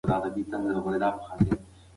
مومن سړی او ښځه باید امر بالمعروف وکړي.